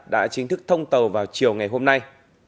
đã chính thức thông tàu vào chiều ngày hôm nay